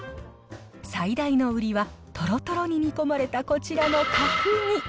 最大の売りは、とろとろに煮込まれたこちらの角煮。